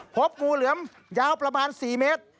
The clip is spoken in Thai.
พบงูเหลือมยาวประมาณ๔เมตร